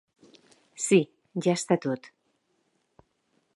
Sí, ja està tot.